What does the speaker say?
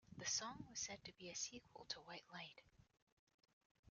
The song was said to be a sequel to White Light.